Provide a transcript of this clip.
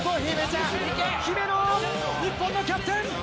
姫野、日本のキャプテン！